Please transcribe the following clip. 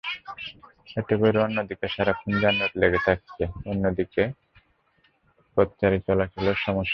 এতে করে একদিকে সারাক্ষণ যানজট লেগে থাকছে, অন্যদিকে পথচারী চলাচলেও সমস্যা হচ্ছে।